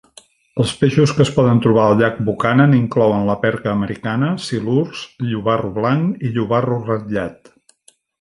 Els peixos que es poden trobar al llac Buchanan inclouen la perca americana, silurs, llobarro blanc i llobarro ratllat.